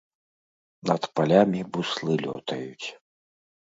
Над палямі буслы лётаюць.